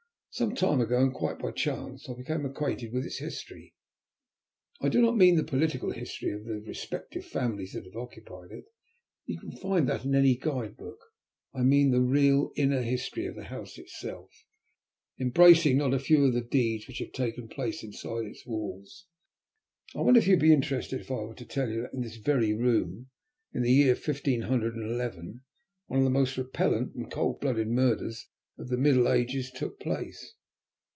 Some time ago, and quite by chance, I became acquainted with its history; I do not mean the political history of the respective families that have occupied it; you can find that in any guide book. I mean the real, inner history of the house itself, embracing not a few of the deeds which have taken place inside its walls. I wonder if you would be interested if I were to tell you that in this very room, in the year fifteen hundred and eleven, one of the most repellent and cold blooded murders of the Middle Ages took place.